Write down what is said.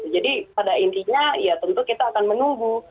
jadi pada intinya ya tentu kita akan menunggu